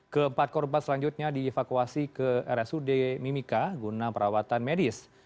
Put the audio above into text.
keempat korban selanjutnya dievakuasi ke rsud mimika guna perawatan medis